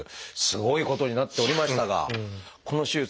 すごいことになっておりましたがこの手術